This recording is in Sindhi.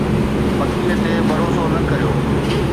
پکيءَ تي ڀروسو نه ڪريو